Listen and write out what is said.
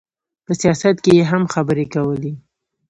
په سیاست کې یې هم خبرې کولې.